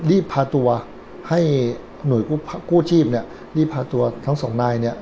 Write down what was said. รีบพาตัวให้หน่วยกู้ชีพเนี่ยรีบพาตัวทั้งสองนายเนี่ย